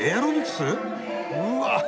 うわ！